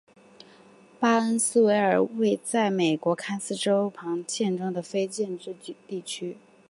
巴恩斯维尔为位在美国堪萨斯州波旁县的非建制地区。